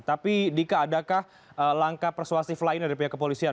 tapi dika adakah langkah persuasif lain dari pihak kepolisian